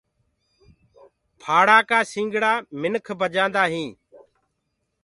ڦآڙآ ڪآ سنگڙآ منک بجآندآ هينٚ۔